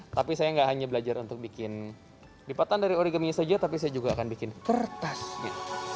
tapi saya nggak hanya belajar untuk bikin lipatan dari origaminya saja tapi saya juga akan bikin kertas gitu